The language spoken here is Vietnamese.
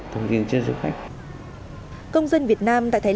thông tin trước cho du khách